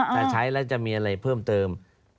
ถ้าใช้แล้วจะมีอะไรเพิ่มเติม